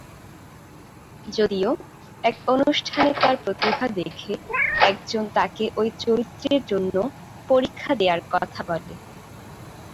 যদিও এক অনুষ্ঠানে তার প্রতিভা দেখে একজন তাকে ওই চরিত্রের জন্য পরীক্ষা দেয়ার কথা বলে।